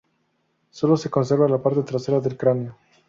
Sólo se conserva la parte trasera del cráneo.